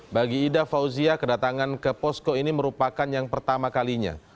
bagi ida fauzia kedatangan ke posko ini merupakan yang pertama kalinya